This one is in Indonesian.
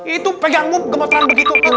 itu pegangmu gemetaran begitu kan